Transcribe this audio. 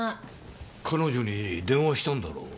彼女に電話したんだろう？